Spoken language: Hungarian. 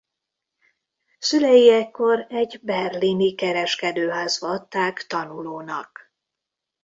Szülei ekkor egy berlini kereskedőházba adták tanulónak.